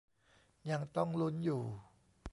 ยังต้องลุ้นอยู่